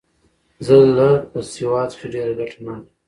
زه له په سواد کښي ډېره ګټه نه اخلم.